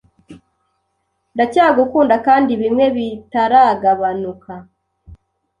Ndacyagukunda kandi bimwe bitaragabanuka